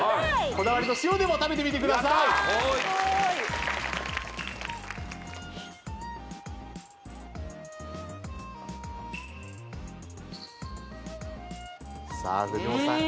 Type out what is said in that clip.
こだわりの塩でも食べてみてくださいさあ藤本さん